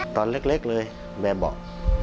ตอนเล็กเลยแม่บอก